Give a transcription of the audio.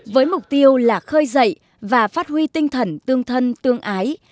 với mục tiêu là khơi dậy và phát huy tinh thần tương thân tương ái